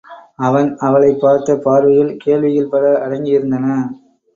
அவன் அவளைப் பார்த்த பார்வையில் கேள்விகள் பல அடங்கி இருந்தன.